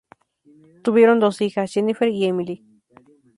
Tuvieron dos hijas: Jennifer y Emily.